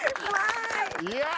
いや！